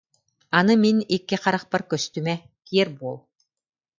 Аны мин икки харахпар көстүмэ, киэр буол